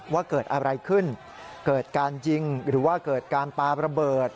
ว่าเกิดอะไรขึ้นเกิดการยิงหรือว่าเกิดการปลาระเบิด